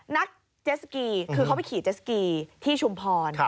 นักเจสสกีคือเขาไปขี่เจสกีที่ชุมพร